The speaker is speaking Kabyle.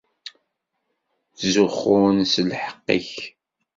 Ttzuxxun s lḥeqq-ik.